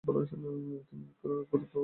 তিনি এখানে গুরুত্বপূর্ণ অবদান রাখেন।